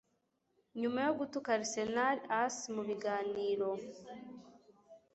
nyuma yo gutuka Arsenal ace mu biganiro